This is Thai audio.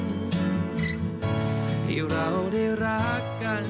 ที่เราได้รักกัน